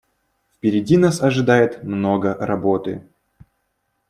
Впереди нас ожидает много работы.